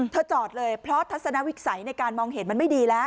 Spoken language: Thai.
จอดเลยเพราะทัศนวิสัยในการมองเห็นมันไม่ดีแล้ว